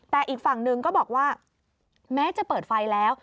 แต่อีกฝั่งหนึ่งก็บอกว่าแม้จะเปิดไฟแล้ว